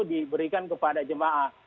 diberikan kepada jemaah